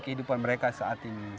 kehidupan mereka saat ini